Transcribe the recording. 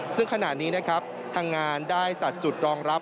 ซึ่งขณะนี้นะครับทางงานได้จัดจุดรองรับ